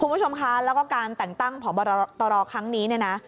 คุณผู้ชมคะแล้วก็การแต่งตั้งพบตรครั้งนี้เนี่ยนะ